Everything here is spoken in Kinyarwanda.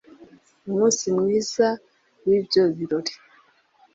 umunsi mwiza w’ibyo birori